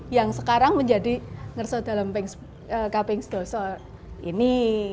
yang sekarang menjadi ngerso dalam kapengsdoso ini